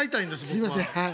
すいませんはい。